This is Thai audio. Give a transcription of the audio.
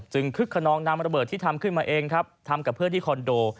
คึกขนองนำระเบิดที่ทำขึ้นมาเองครับทำกับเพื่อนที่คอนโด